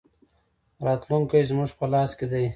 راتلونکی زموږ په لاس کې دی